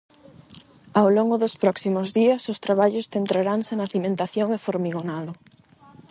Ao longo dos próximos días os traballos centraranse na cimentación e formigonado.